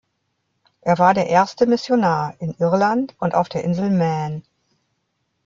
Er war der erste Missionar in Irland und auf der Insel Man.